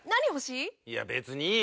いや別にいいよ